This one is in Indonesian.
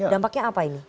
dampaknya apa ini